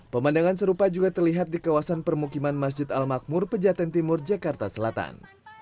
pemandangan serupa juga terlihat di kawasan permukiman masjid al makmur pejaten timur jakarta selatan